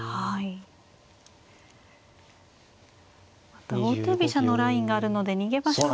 また王手飛車のラインがあるので逃げ場所が。